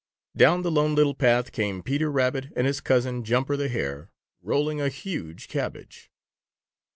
Down the Lone Little Path came Peter Rabbit and his cousin, Juniper the Hare, rolling a huge cabbage.